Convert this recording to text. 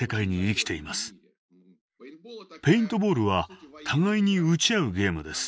ペイントボールは互いに撃ち合うゲームです。